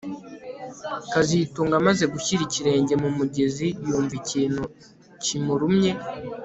kazitunga amaze gushyira ikirenge mu mugezi yumva ikintu kimurumye